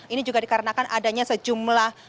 ini juga dikarenakan adanya sejumlah